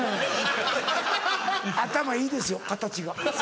「頭いいですよ形が」。